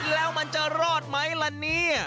แล้วมันจะรอดไหมล่ะเนี่ย